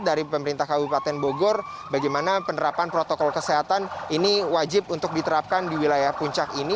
dan pemerintah kabupaten bogor bagaimana penerapan protokol kesehatan ini wajib untuk diterapkan di wilayah puncak ini